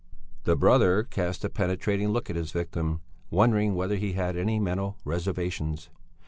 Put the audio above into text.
The brother cast a penetrating look at his victim, wondering whether he had any mental reservations.